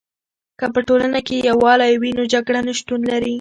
که په ټولنه کې یوالی وي، نو جګړه نه شتون لري.